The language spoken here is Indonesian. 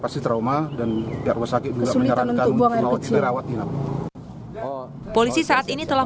pasti trauma dan biar usahakan mengharapkan untuk merawatnya polisi saat ini telah